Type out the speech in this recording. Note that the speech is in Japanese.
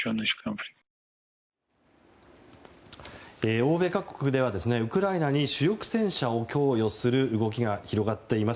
欧米各国ではウクライナに主力戦車を供与する動きが広がっています。